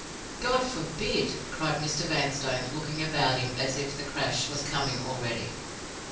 "God forbid!" cried Mr. Vanstone, looking about him as if the crash was coming already.